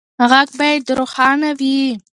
غږ باید روښانه وي.